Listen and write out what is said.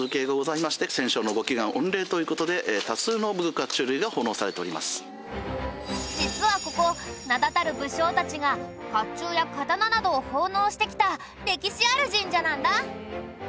こちらは実はここ名だたる武将たちが甲冑や刀などを奉納してきた歴史ある神社なんだ。